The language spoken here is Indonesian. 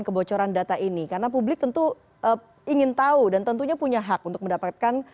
kebocoran data ini karena publik tentu ingin tahu dan tentunya punya hak untuk mendapatkan